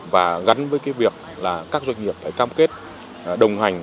và gắn với việc các doanh nghiệp phải cam kết đồng hành